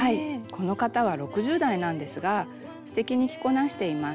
この方は６０代なんですがすてきに着こなしています。